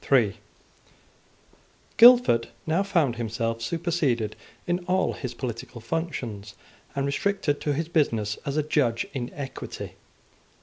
Guildford now found himself superseded in all his political functions, and restricted to his business as a judge in equity.